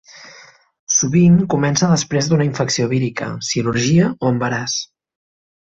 Sovint comença després d'una infecció vírica, cirurgia o embaràs.